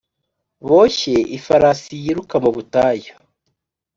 boshye ifarasi yiruka mu butayu?